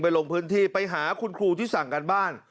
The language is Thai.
ลงพื้นที่ไปหาคุณครูที่สั่งการบ้าน